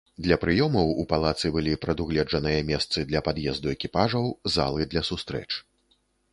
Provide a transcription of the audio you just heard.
Для прыёмаў у палацы былі прадугледжаныя месцы для пад'езду экіпажаў, залы для сустрэч.